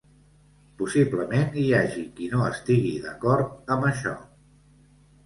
Possiblement hi hagi qui no estigui d'acord amb això.